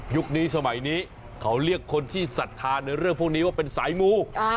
นี้สมัยนี้เขาเรียกคนที่สัทธาในเรื่องพวกนี้ว่าเป็นสายมู